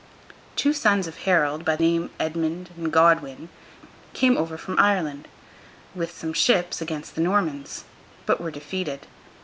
Two sons of Harold, by name Edmund and Godwin, came over from Ireland, with some ships, against the Normans, but were defeated.